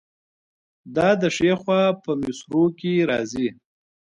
دا د ښي خوا په مصرو کې راځي.